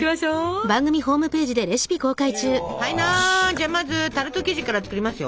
じゃあまずタルト生地から作りますよ！